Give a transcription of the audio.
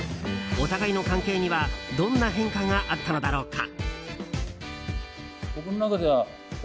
お互いの関係にはどんな変化があったのだろうか。